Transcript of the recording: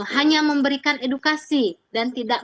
hanya memberikan edukasi dan tidak